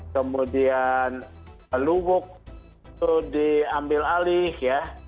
kemudian luwuk itu diambil alih ya